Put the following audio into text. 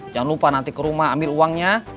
jangan lupa nanti ke rumah ambil uangnya